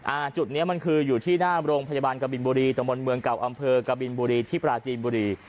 จุดเนี้ยมันคืออยู่ที่หน้าโรงพยาบาลกบินบุรีตะมนต์เมืองเก่าอำเภอกบินบุรีที่ปราจีนบุรี